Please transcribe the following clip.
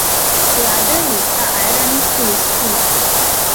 The other is the Aaronic priesthood.